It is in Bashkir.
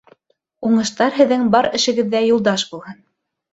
Уңыштар һеҙҙең бар эшегеҙҙә юлдаш булһын.